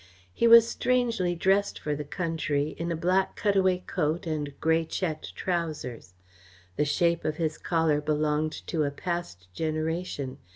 He was strangely dressed for the country, in a black cut away coat and grey checked trousers. The shape of his collar belonged to a past generation.